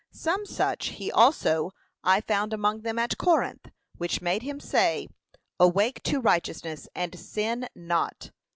Some such he also I found among them at Corinth, which made him say, 'Awake to righteousness, and sin not.'